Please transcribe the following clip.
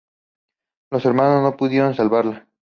Los hermanos no pudieron salvarla.